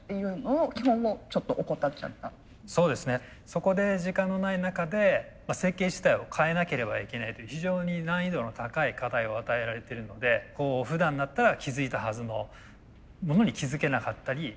そこで時間のない中で設計自体を変えなければいけないという非常に難易度の高い課題を与えられているのでふだんだったら気付いたはずのものに気付けなかったり。